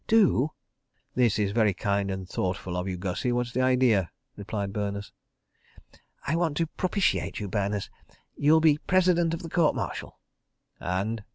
... Do." "This is very kind and thoughtful of you, Gussie. What's the idea?" replied Berners. "I want to propitiate you, Berners. You'll be President of the Court Martial." "And?"